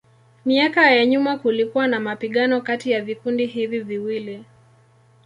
Miaka ya nyuma kulikuwa na mapigano kati ya vikundi hivi viwili.